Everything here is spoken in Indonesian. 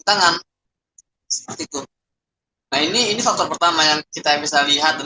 tangan itu ini ini faktor pertama yang kita bisa lihat dan bisa dengar saksikan